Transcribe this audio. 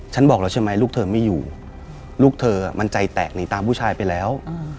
บอกแล้วใช่ไหมลูกเธอไม่อยู่ลูกเธอมันใจแตกหนีตามผู้ชายไปแล้ว